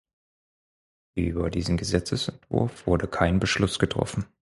Über diesen Gesetzesentwurf wurde kein Beschluss getroffen.